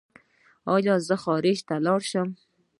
ایا زه خارج ته لاړ شم؟